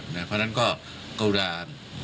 เพราะฉะนั้นก็กรุณา